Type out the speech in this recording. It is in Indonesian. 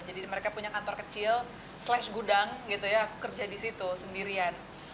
jadi mereka punya kantor kecil slash gudang gitu ya aku kerja disitu sendirian